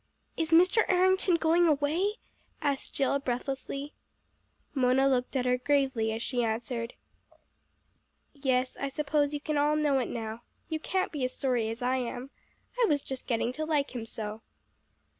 "Is Mr. Errington going away?" asked Jill breathlessly. Mona looked at her gravely as she answered "Yes, I suppose you can all know it now. You can't be as sorry as I am. I was just getting to like him so."